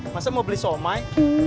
masa mau beli somai